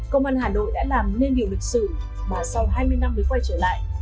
công an hà nội đã làm nên điều lịch sử mà sau hai mươi năm mới quay trở lại